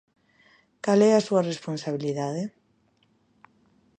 Cal é a súa responsabilidade?